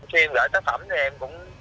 khi em gọi tác phẩm thì em cũng